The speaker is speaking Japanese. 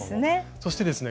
そしてですね